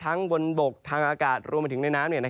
ทั้งบนบกทางอากาศรวมถึงในน้ำ